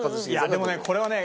でもねこれはね